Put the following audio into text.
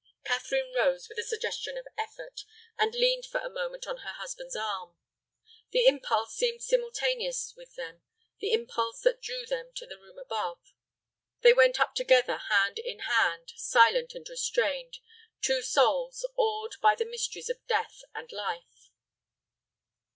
Catherine rose with a suggestion of effort, and leaned for a moment on her husband's arm. The impulse seemed simultaneous with them, the impulse that drew them to the room above. They went up together, hand in hand, silent and restrained, two souls awed by the mysteries of death and life.